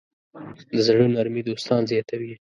د زړۀ نرمي دوستان زیاتوي.